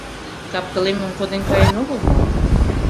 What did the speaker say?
Капкылемым коден каен огыл мо?